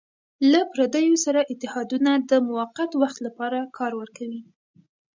له پردیو سره اتحادونه د موقت وخت لپاره کار ورکوي.